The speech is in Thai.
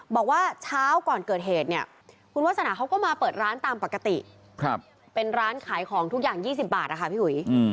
บอกว่าเช้าก่อนเกิดเหตุเนี่ยคุณวาสนาเขาก็มาเปิดร้านตามปกติเป็นร้านขายของทุกอย่าง๒๐บาทนะคะพี่หุย